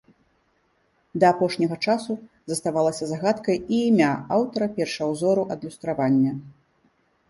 Да апошняга часу заставалася загадкай і імя аўтара першаўзору адлюстравання.